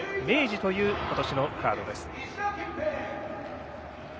明治ということしのカードです。